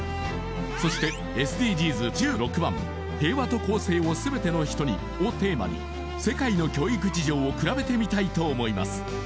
そしてＳＤＧｓ１６番「平和と公正をすべての人に」をテーマに世界の教育事情をくらべてみたいと思います